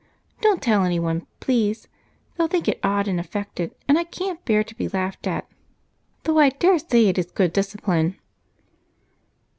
Don't tell anyone, please, they'll think it odd and affected, and I can't bear to be laughed at, though I daresay it is good discipline."